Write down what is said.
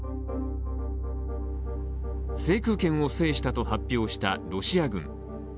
制空権を制したと発表したロシア軍。